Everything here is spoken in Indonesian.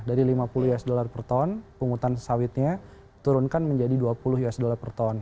dari lima puluh usd per ton pungutan sawitnya turunkan menjadi dua puluh usd per ton